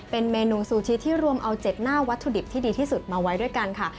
เป็นเมนูซูชิที่รวมเอา๗หน้าวัตถุดิบที่ดีที่สุดมาไว้ด้วยกันค่ะ